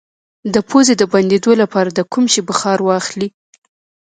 د پوزې د بندیدو لپاره د کوم شي بخار واخلئ؟